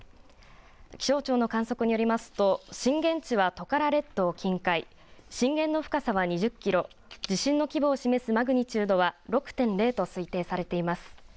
気象庁の観測によりますと震源地はトカラ列島近海、震源の深さは２０キロ、地震の規模を示すマグニチュードは６．０と推定されています。